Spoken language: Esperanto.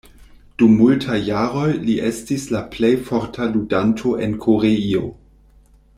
Dum multaj jaroj li estis la plej forta ludanto en Koreio.